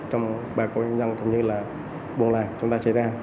trong bà con nhân cũng như là buôn làng chúng ta sẽ ra